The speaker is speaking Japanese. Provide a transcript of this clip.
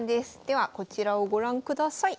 ではこちらをご覧ください。